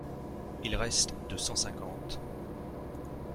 Il reste de cent cinquante.